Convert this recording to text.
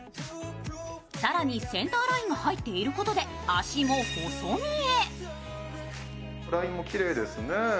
更にセンターラインが入っていることで脚も細見え。